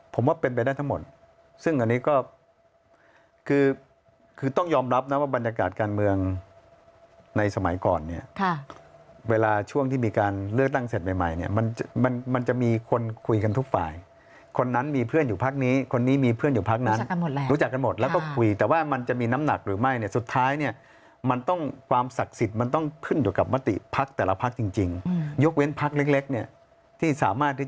ผมว่าเป็นไปได้ทั้งหมดซึ่งอันนี้ก็คือคือต้องยอมรับนะว่าบรรยากาศการเมืองในสมัยก่อนเนี่ยค่ะเวลาช่วงที่มีการเลือกตั้งเสร็จใหม่เนี่ยมันมันมันจะมีคนคุยกันทุกฝ่ายคนนั้นมีเพื่อนอยู่พักนี้คนนี้มีเพื่อนอยู่พักนั้นรู้จักกันหมดแล้วก็คุยแต่ว่ามันจะมีน้ำหนักหรือไม่เนี่ยสุดท้ายเนี่ยมันต